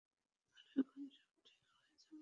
আর এখন সব ঠিক হয়ে যাবে।